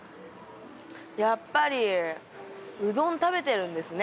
やっぱりうどん食べてるんですね